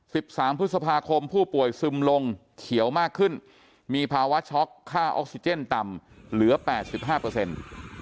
สิบสามพฤษภาคมผู้ป่วยซึมลงเขียวมากขึ้นมีภาวะช็อกค่าออกซิเจนต่ำเหลือแปดสิบห้าเปอร์เซ็นต์